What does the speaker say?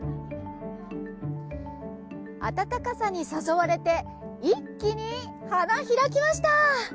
暖かさに誘われて一気に花開きました！